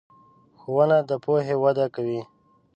ښوونه د پوهې وده کوي.